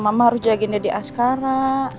mama harus jagain jadi askara